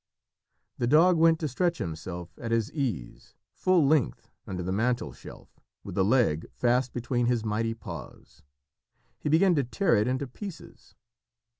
The dog went to stretch himself at his ease full length under the mantelshelf with the leg fast between his mighty paws. He began to tear it into pieces.